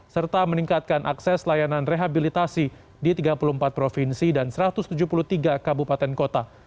serta meningkatkan akses layanan rehabilitasi di tiga puluh empat provinsi dan satu ratus tujuh puluh tiga kabupaten kota